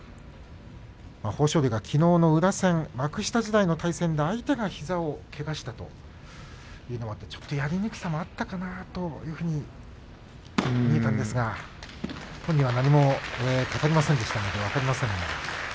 豊昇龍がきのうの宇良戦幕下時代の対戦で相手が膝をけがしたというのがあって、やりにくさもあったかなというふうに見えたんですが本人は何も語りませんでしたので分かりません。